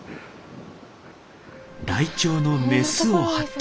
ライチョウのメスを発見。